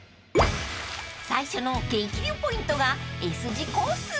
［最初の激流ポイントが］